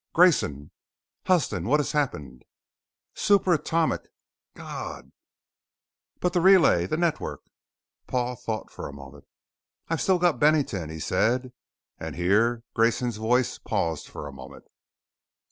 "Grayson?" "Huston! What has happened?" "Super atomic." "God!" "But the Relay The Network?" Paul thought a moment. "I've still got Bennington," he said. "And " here Grayson's voice paused for a moment.